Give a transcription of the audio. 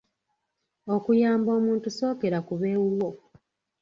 Okuyamba omuntu sookera ku b'ewuwo